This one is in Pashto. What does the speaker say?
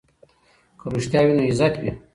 که رښتیا وي نو عزت وي.